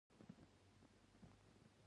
له ګيري نیولې تر ګیټس پورې ټولو وګټل